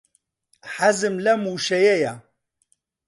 حەزم لەم وشەیەیە.